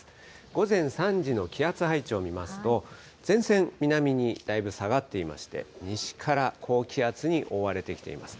午前３時の気圧配置を見ますと、前線、南にだいぶ下がっていまして、西から高気圧に覆われてきています。